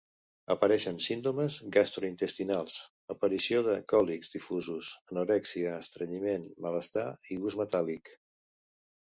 Apareixen símptomes gastrointestinals, aparició de còlics difusos, anorèxia, estrenyiment, malestar i gust metàl·lic.